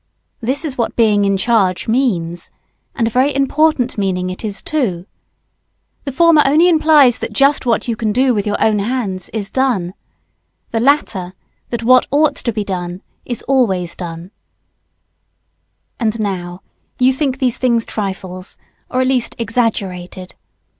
This is what being "in charge" means. And a very important meaning it is, too. The former only implies that just what you can do with your own hands is done. The latter that what ought to be done is always done. [Sidenote: Does God think of these things so seriously?] And now, you think these things trifles, or at least exaggerated.